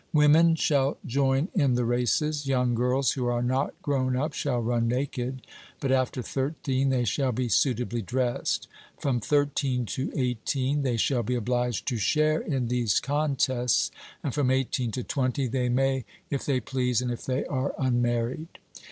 Women shall join in the races: young girls who are not grown up shall run naked; but after thirteen they shall be suitably dressed; from thirteen to eighteen they shall be obliged to share in these contests, and from eighteen to twenty they may if they please and if they are unmarried.